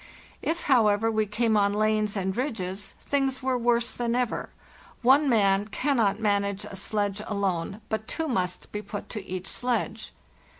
If, however, we came on lanes and ridges, things were worse than ever; one man cannot manage a sledge alone, but two must be put to each sledge.